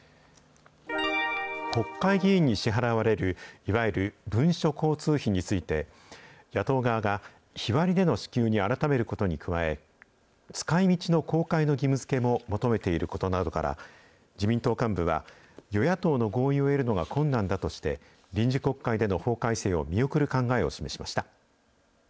国会議員に支払われる、いわゆる文書交通費について、野党側が日割りでの支給に改めることに加え、使いみちの公開の義務づけも求めていることなどから、自民党幹部は、与野党の合意を得るのが困難だとして、臨時国会での法改正を見送る考えを示しました。